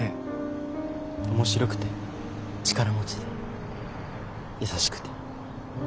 面白くて力持ちで優しくて。